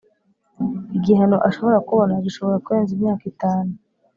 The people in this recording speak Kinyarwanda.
Igihano ashobora kubona gishobora kurenza imyaka itanu